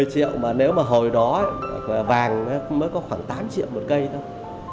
năm mươi triệu mà nếu mà hồi đó vàng mới có khoảng tám triệu một cây thôi